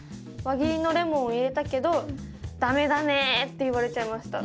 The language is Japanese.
輪切りのレモンを入れたけどダメダメって言われちゃいました。